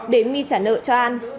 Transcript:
để my trả nợ cho an